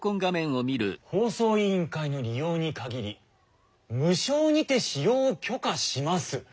「放送委員会の利用に限り無償にて使用を許可します」。